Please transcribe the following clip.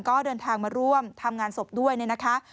ก็เดินทางมาร่วมทำงานศพด้วยเนี่ยนะคะ